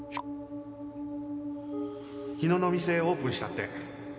「日野の店オープンしたって」。